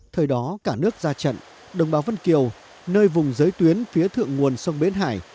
thời đó cả nước ra trận đồng bào vân kiều nơi vùng giới tuyến phía thượng nguồn sông bến hải